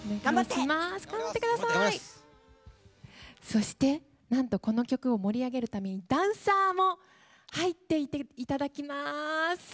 そして、なんと、この曲を盛り上げるためにダンサーも入っていただきます。